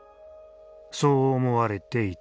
そう思われていた。